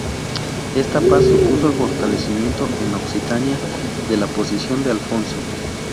Esta paz supuso el fortalecimiento en Occitania de la posición de Alfonso.